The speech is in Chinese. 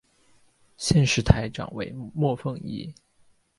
现时台长为莫凤仪。